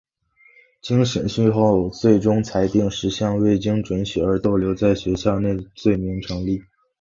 经审讯后最终裁定十项未经准许而逗留在学校内罪名成立。